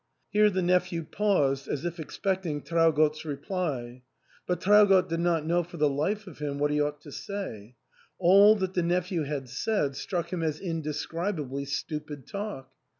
Here the nephew paused as if expecting Traugott's reply ; but Traugott did not know for the life of him what he ought to say. All that the nephew had said struck him as indescribably stupid talk.